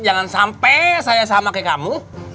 jangan sampai saya sama kayak kamu